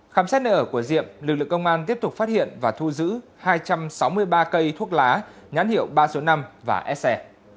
khám xét nơi ở của diệm lực lượng công an tiếp tục phát hiện và thu giữ hai trăm sáu mươi ba cây thuốc lá nhắn hiệu ba trăm sáu mươi năm và s e